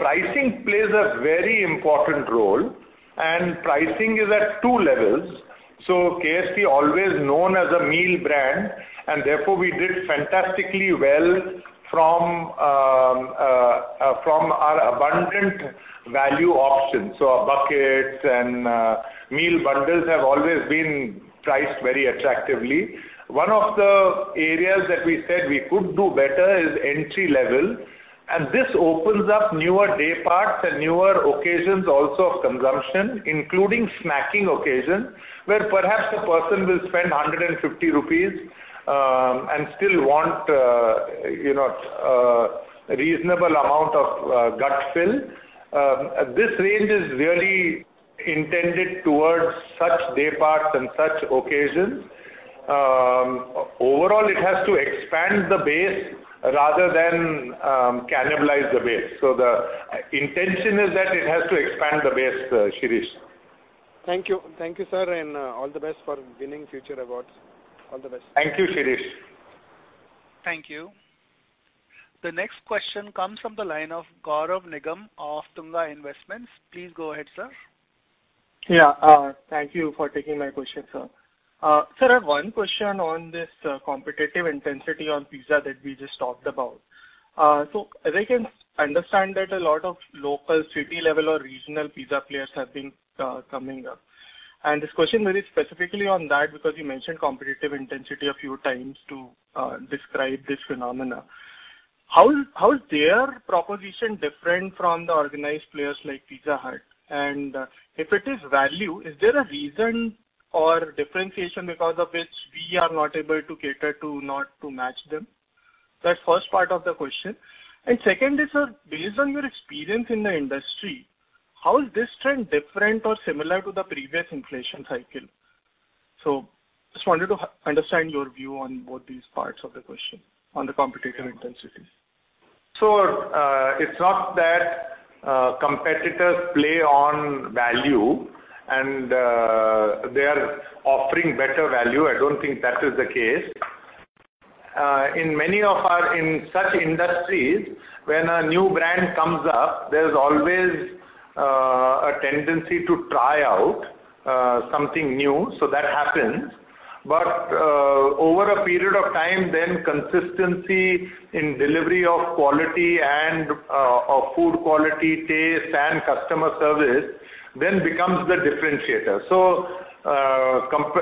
Pricing plays a very important role, and pricing is at two levels. KFC, always known as a meal brand, and therefore we did fantastically well from our abundant value options. Our buckets and meal bundles have always been priced very attractively. One of the areas that we said we could do better is entry level, and this opens up newer day parts and newer occasions also of consumption, including snacking occasions, where perhaps the person will spend 150 rupees, and still want, you know, reasonable amount of gut fill. This range is really intended towards such day parts and such occasions. Overall, it has to expand the base rather than cannibalize the base. The intention is that it has to expand the base, Shirish. Thank you. Thank you, sir, and all the best for winning future awards. All the best. Thank you, Shirish. Thank you. The next question comes from the line of Gaurav Nigam of Tunga Investments. Please go ahead, sir. Yeah, thank you for taking my question, sir. Sir, I have one question on this competitive intensity on pizza that we just talked about. As I can understand that a lot of local city level or regional pizza players have been coming up. This question very specifically on that, because you mentioned competitive intensity a few times to describe this phenomena. How, how is their proposition different from the organized players like Pizza Hut? If it is value, is there a reason or differentiation because of which we are not able to cater to, not to match them? That's first part of the question. Second is, sir, based on your experience in the industry, how is this trend different or similar to the previous inflation cycle? Just wanted to understand your view on both these parts of the question, on the competitive intensity. It's not that competitors play on value and they are offering better value. I don't think that is the case. In many of our-- in such industries, when a new brand comes up, there's always a tendency to try out something new, so that happens. Over a period of time, then consistency in delivery of quality and of food quality, taste, and customer service then becomes the differentiator.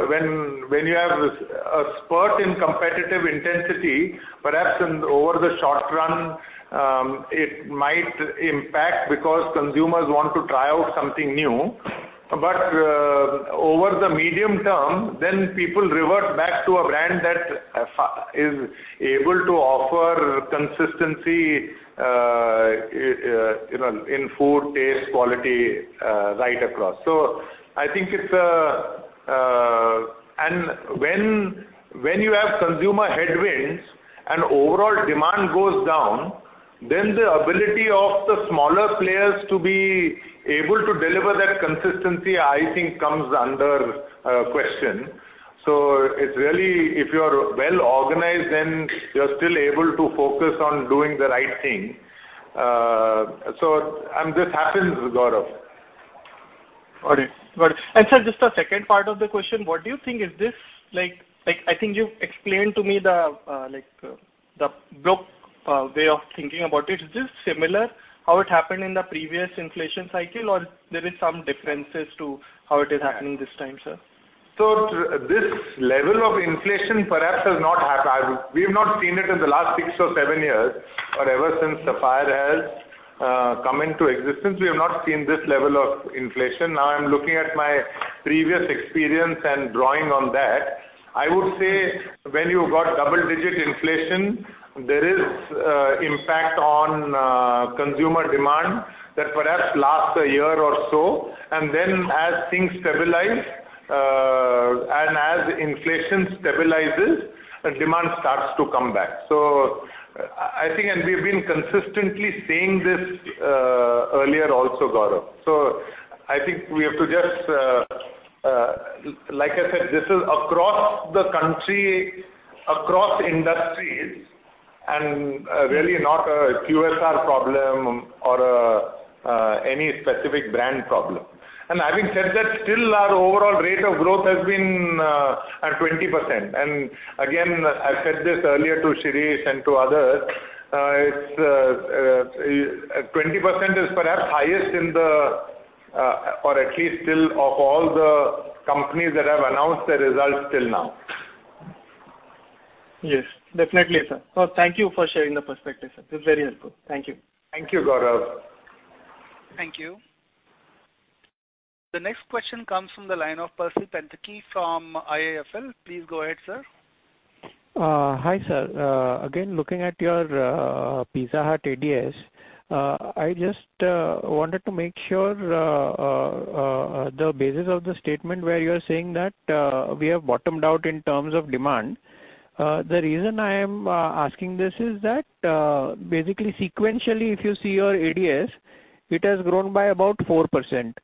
When, when you have a spurt in competitive intensity, perhaps in over the short run, it might impact because consumers want to try out something new, but over the medium term, then people revert back to a brand that is able to offer consistency, you know, in food, taste, quality, right across. I think it's a. When, when you have consumer headwinds and overall demand goes down, then the ability of the smaller players to be able to deliver that consistency, I think, comes under question. It's really, if you are well organized, then you're still able to focus on doing the right thing. This happens, Gaurav. Got it. Got it. Sir, just a second part of the question: What do you think is this like, like, I think you've explained to me the like the book way of thinking about it. Is this similar how it happened in the previous inflation cycle, or there is some differences to how it is happening this time, sir? This level of inflation perhaps has not happened. We've not seen it in the last six or seven years, or ever since Sapphire has come into existence, we have not seen this level of inflation. Now, I'm looking at my previous experience and drawing on that. I would say when you've got double-digit inflation, there is impact on consumer demand that perhaps lasts one year or so. Then as things stabilize, and as inflation stabilizes, the demand starts to come back. I, I think, and we've been consistently saying this earlier also, Gaurav. I think we have to just like I said, this is across the country, across industries, and really not a QSR problem or any specific brand problem. Having said that, still, our overall rate of growth has been at 20%. Again, I said this earlier to Shirish and to others, it's 20% is perhaps highest in the, or at least still of all the companies that have announced their results till now. Yes, definitely, sir. Thank you for sharing the perspective, sir. It's very helpful. Thank you. Thank you, Gaurav. Thank you. The next question comes from the line of Pesi Panthaki from IIFL. Please go ahead, sir. Hi, sir. Again, looking at your Pizza Hut ADS, I just wanted to make sure the basis of the statement where you are saying that we have bottomed out in terms of demand. The reason I am asking this is that basically, sequentially, if you see your ADS, it has grown by about 4%.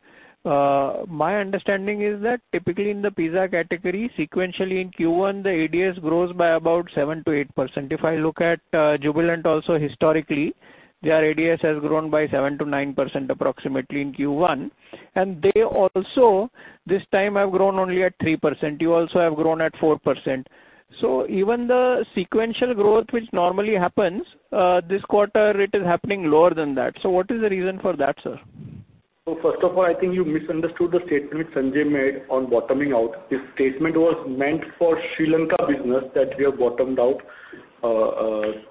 My understanding is that typically in the pizza category, sequentially in Q1, the ADS grows by about 7%-8%. If I look at Jubilant also historically, their ADS has grown by 7%-9% approximately in Q1, and they also, this time, have grown only at 3%. You also have grown at 4%. Even the sequential growth, which normally happens, this quarter, it is happening lower than that. What is the reason for that, sir? First of all, I think you misunderstood the statement Sanjay made on bottoming out. His statement was meant for Sri Lanka business that we have bottomed out. Okay,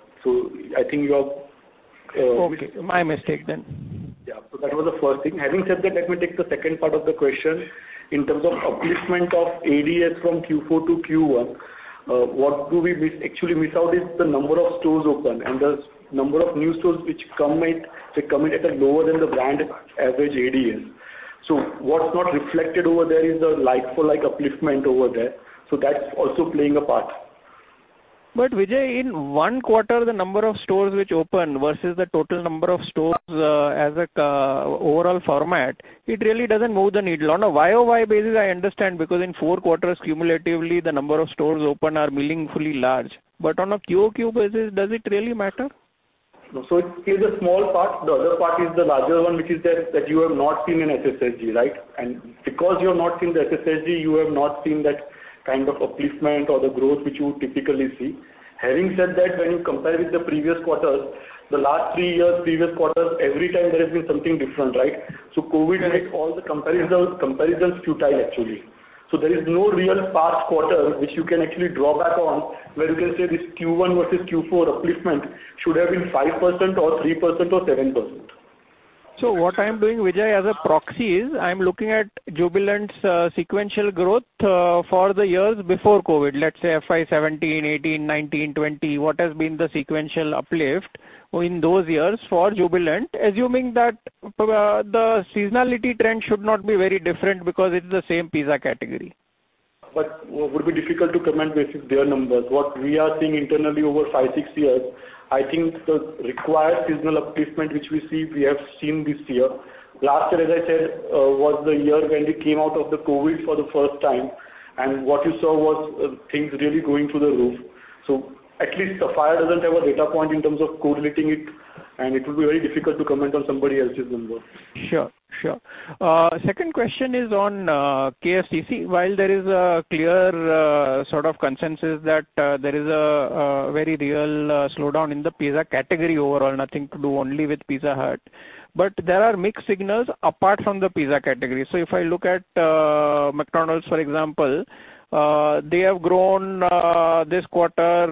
my mistake then. That was the first thing. Having said that, let me take the second part of the question. In terms of upliftment of ADS from Q4 to Q1, what do we actually miss out is the number of stores open and the number of new stores which come at, they come in at a lower than the brand average ADS. What's not reflected over there is the like for like upliftment over there. That's also playing a part. Vijay, in one quarter, the number of stores which open versus the total number of stores, as a, overall format, it really doesn't move the needle. On a year-over-year basis, I understand, because in four quarters, cumulatively, the number of stores open are meaningfully large. On a quarter-over-quarter basis, does it really matter? It is a small part. The other part is the larger one, which is that, that you have not seen an SSSG, right? Because you have not seen the SSSG, you have not seen that kind of upliftment or the growth, which you would typically see. Having said that, when you compare with the previous quarters, the last 3 years, previous quarters, every time there has been something different, right? COVID makes all the comparisons, comparisons futile, actually. There is no real past quarter which you can actually draw back on, where you can say this Q1 versus Q4 upliftment should have been 5% or 3% or 7%. What I am doing, Vijay, as a proxy is, I'm looking at Jubilant's sequential growth for the years before COVID, let's say FY 2017, 2018, 2019, 2020. What has been the sequential uplift in those years for Jubilant? Assuming that the seasonality trend should not be very different because it's the same pizza category. It would be difficult to comment based on their numbers. What we are seeing internally over 5-6 years, I think the required seasonal upliftment, which we see, we have seen this year. Last year, as I said, was the year when we came out of the COVID for the first time, and what you saw was, things really going through the roof. At least Sapphire doesn't have a data point in terms of correlating it, and it will be very difficult to comment on somebody else's numbers. Sure, sure. Second question is on KFC. While there is a clear sort of consensus that there is a very real slowdown in the pizza category overall, nothing to do only with Pizza Hut, but there are mixed signals apart from the pizza category. If I look at McDonald's, for example, they have grown this quarter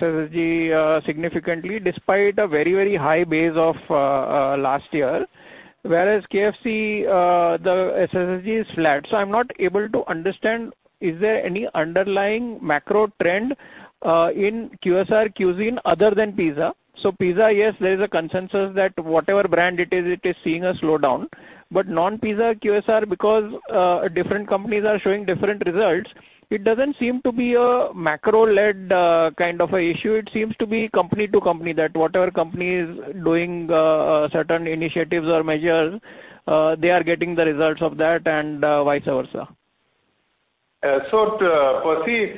SSG significantly, despite a very, very high base of last year, whereas KFC, the SSG is flat. I'm not able to understand, is there any underlying macro trend in QSR cuisine other than pizza? Pizza, yes, there is a consensus that whatever brand it is, it is seeing a slowdown, but non-pizza QSR, because different companies are showing different results, it doesn't seem to be a macro-led kind of an issue. It seems to be company to company, that whatever company is doing, certain initiatives or measures, they are getting the results of that and, vice versa. Percy,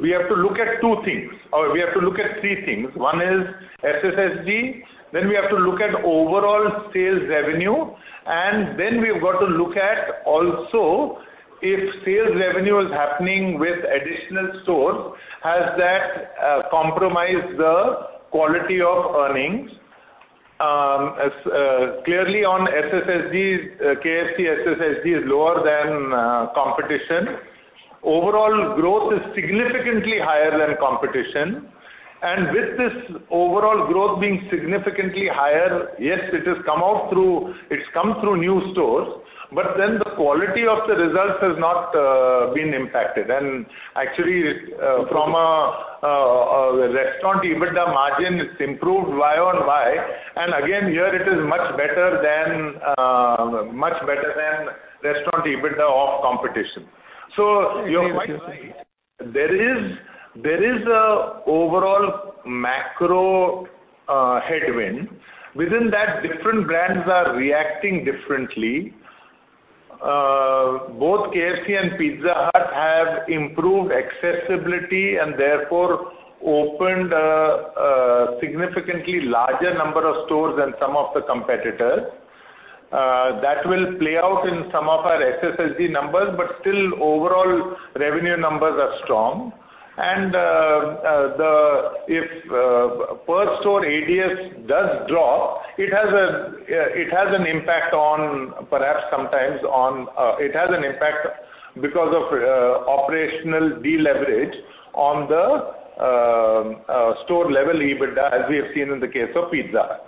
we have to look at two things, or we have to look at three things. One is SSSG, then we have to look at overall sales revenue, and then we've got to look at also if sales revenue is happening with additional stores, has that compromised the quality of earnings? As, clearly on SSSG, KFC SSSG is lower than competition. Overall growth is significantly higher than competition, with this overall growth being significantly higher, yes, it has come out it's come through new stores, but then the quality of the results has not been impacted. Actually, from a restaurant EBITDA margin, it's improved Y on Y. Again, here it is much better than much better than restaurant EBITDA of competition. There is, there is a overall macro headwind. Within that, different brands are reacting differently. Both KFC and Pizza Hut have improved accessibility and therefore opened a significantly larger number of stores than some of the competitors. That will play out in some of our SSSG numbers, but still overall revenue numbers are strong. The, if, per store ADS does drop, it has an impact on perhaps sometimes on it has an impact because of operational deleverage on the store level EBITDA, as we have seen in the case of Pizza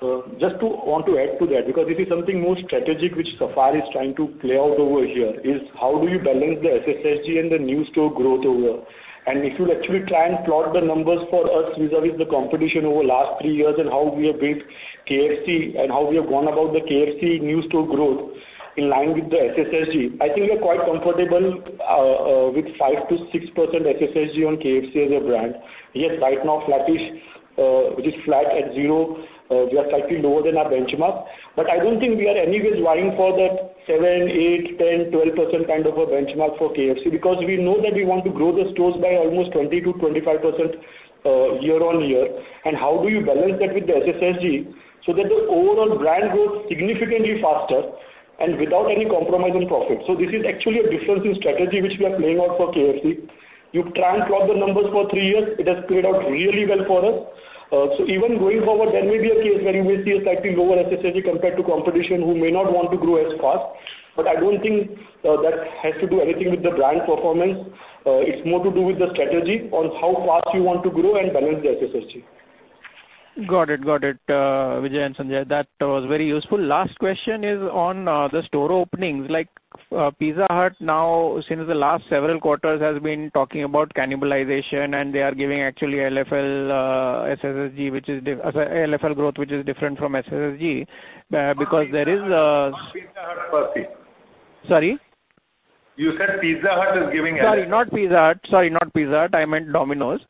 Hut. Just to want to add to that, because this is something more strategic, which Safal is trying to play out over here, is how do you balance the SSSG and the new store growth over? If you actually try and plot the numbers for us vis-a-vis the competition over the last three years and how we have built KFC and how we have gone about the KFC new store growth in line with the SSSG, I think we are quite comfortable with 5%-6% SSSG on KFC as a brand. Yes, right now, flattish, which is flat at zero, we are slightly lower than our benchmark, but I don't think we are anyways vying for that 7%, 8%, 10%, 12% kind of a benchmark for KFC, because we know that we want to grow the stores by almost 20%-25%, year-on-year. How do you balance that with the SSSG so that the overall brand grows significantly faster and without any compromise in profit? This is actually a difference in strategy, which we are playing out for KFC. You try and plot the numbers for 3 years, it has played out really well for us. Even going forward, there may be a case where you may see a slightly lower SSSG compared to competition who may not want to grow as fast. I don't think that has to do anything with the brand performance. It's more to do with the strategy on how fast you want to grow and balance the SSSG. Got it. Got it, Vijay and Sanjay, that was very useful. Last question is on the store openings. Like, Pizza Hut now, since the last several quarters, has been talking about cannibalization, and they are giving actually LFL, SSSG, which is LFL growth, which is different from SSSG, because there is. Not Pizza Hut, Percy. Sorry? You said Pizza Hut is giving LFL- Sorry, not Pizza Hut. Sorry, not Pizza Hut. I meant Domino's.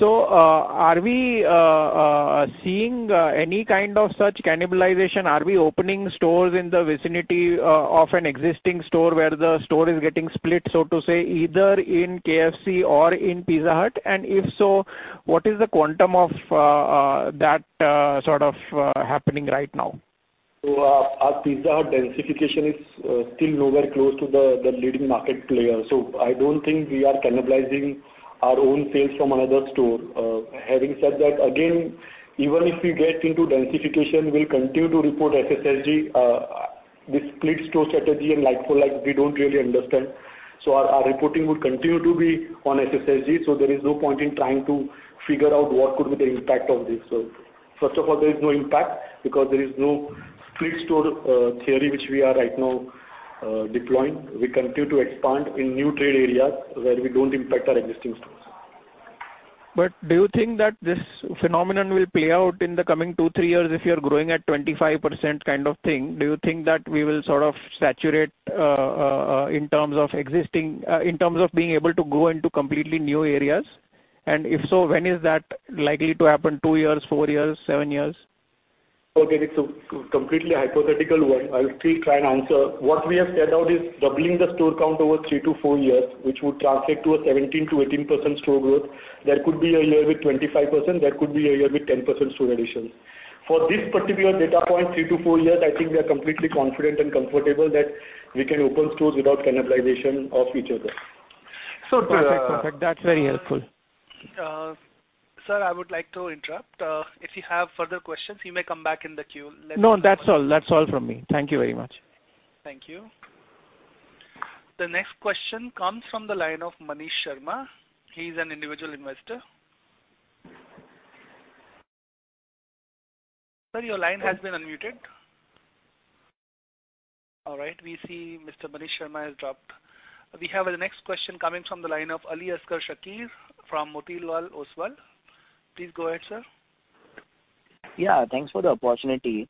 Are we seeing any kind of such cannibalization? Are we opening stores in the vicinity of an existing store, where the store is getting split, so to say, either in KFC or in Pizza Hut? If so, what is the quantum of that sort of happening right now? Our Pizza Hut densification is still nowhere close to the leading market player, so I don't think we are cannibalizing our own sales from another store. Having said that, again, even if we get into densification, we'll continue to report SSSG. This split store strategy and like for like, we don't really understand. Our reporting would continue to be on SSSG, so there is no point in trying to figure out what could be the impact of this. First of all, there is no impact because there is no split store theory, which we are right now deploying. We continue to expand in new trade areas where we don't impact our existing stores. Do you think that this phenomenon will play out in the coming 2, 3 years if you're growing at 25% kind of thing? Do you think that we will sort of saturate in terms of existing, in terms of being able to go into completely new areas? If so, when is that likely to happen? 2 years, 4 years, 7 years? Okay, it's a completely hypothetical one. I'll still try and answer. What we have said out is doubling the store count over 3-4 years, which would translate to a 17%-18% store growth. There could be a year with 25%, there could be a year with 10% store additions. For this particular data point, 3-4 years, I think we are completely confident and comfortable that we can open stores without cannibalization of each other. That's very helpful. Sir, I would like to interrupt. If you have further questions, you may come back in the queue. No, that's all. That's all from me. Thank you very much. Thank you. The next question comes from the line of Manish Sharma. He's an individual investor. Sir, your line has been unmuted. All right, we see Mr. Manish Sharma has dropped. We have the next question coming from the line of Aliasgar Shakir from Motilal Oswal. Please go ahead, sir. Yeah, thanks for the opportunity.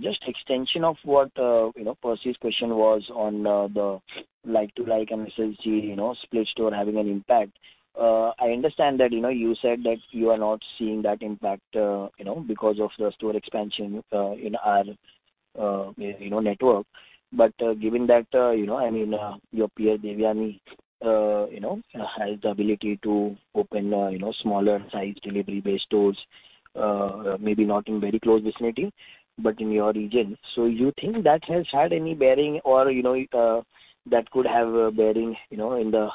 Just extension of what, you know, Percy's question was on the like to like SSSG, you know, split store having an impact. I understand that, you know, you said that you are not seeing that impact, you know, because of the store expansion in our, you know, network. Given that, you know, I mean, your peer, Devyani, you know, has the ability to open, you know, smaller size delivery-based stores, maybe not in very close vicinity, but in your region. You think that has had any bearing or, you know, that could have a bearing, you know, in the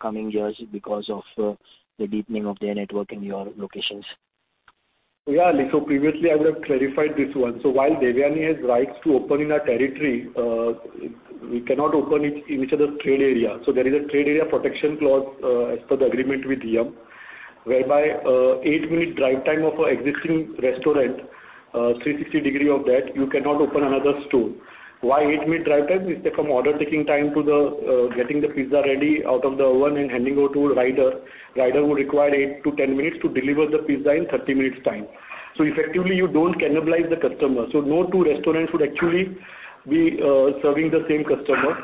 coming years because of the deepening of their network in your locations? Yeah, previously I would have clarified this one. While Devyani has rights to open in our territory, we cannot open it in each other's trade area. There is a trade area protection clause, as per the agreement with Yum, whereby, 8-minute drive time of our existing restaurant, 360 degree of that, you cannot open another store. Why 8-minute drive time? It's from order taking time to the getting the pizza ready out of the oven and handing over to a rider. Rider would require 8-10 minutes to deliver the pizza in 30 minutes time. Effectively, you don't cannibalize the customer. No two restaurants would actually be serving the same customer.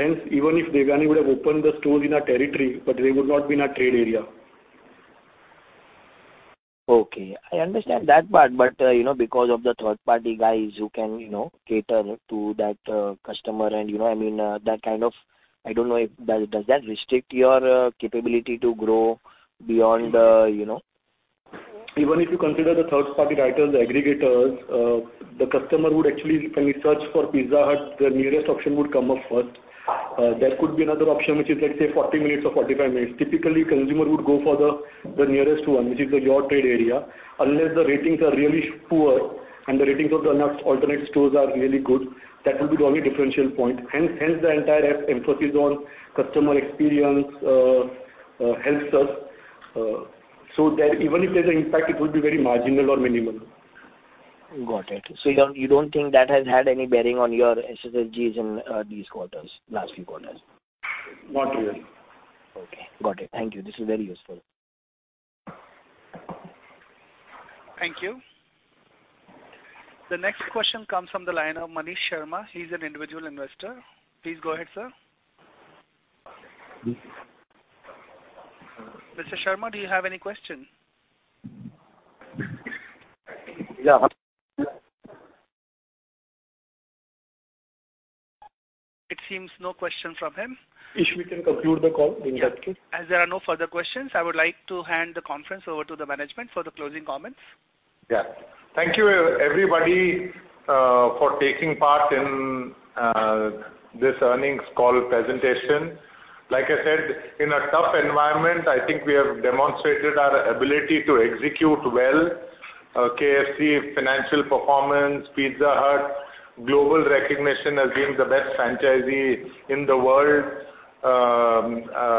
Hence, even if Devyani would have opened the store in our territory, but they would not be in our trade area. Okay, I understand that part, but, you know, because of the third-party guys who can, you know, cater to that, customer, and, you know, I mean, that kind of... I don't know if, does, does that restrict your, capability to grow beyond, you know? Even if you consider the third-party riders, the aggregators, the customer would actually, when we search for Pizza Hut, the nearest option would come up first. There could be another option, which is, let's say, 40 minutes or 45 minutes. Typically, consumer would go for the, the nearest one, which is your trade area, unless the ratings are really poor and the ratings of the alternate stores are really good, that would be the only differential point. Hence, hence the entire app emphasis on customer experience, helps us. That even if there's an impact, it would be very marginal or minimal. Got it. You don't, you don't think that has had any bearing on your SSGs in these quarters, last few quarters? Not really. Okay, got it. Thank you. This is very useful. Thank you. The next question comes from the line of Manish Sharma. He's an individual investor. Please go ahead, sir. Mr. Sharma, do you have any question? Yeah. It seems no question from him. If we can conclude the call in that case. As there are no further questions, I would like to hand the conference over to the management for the closing comments. Yeah. Thank you everybody, for taking part in this earnings call presentation. Like I said, in a tough environment, I think we have demonstrated our ability to execute well. KFC financial performance, Pizza Hut, global recognition as being the best franchisee in the world. I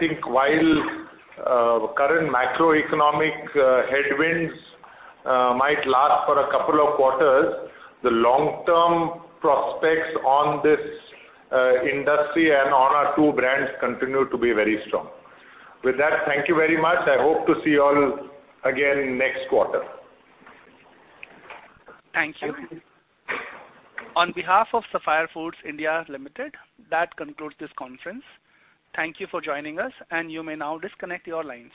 think while current macroeconomic headwinds might last for a couple of quarters, the long-term prospects on this industry and on our two brands continue to be very strong. With that, thank you very much. I hope to see you all again next quarter. Thank you. On behalf of Sapphire Foods India Limited, that concludes this conference. Thank you for joining us, and you may now disconnect your lines.